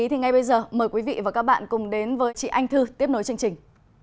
thì ngay bây giờ mời quý vị và các bạn cùng đến với chị anh thư tiếp nối chương trình